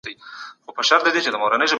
که انلاین ازموینه روښانه وي، شک نه پیدا کېږي.